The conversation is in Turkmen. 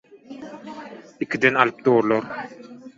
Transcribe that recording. Ikiden alyp durlar.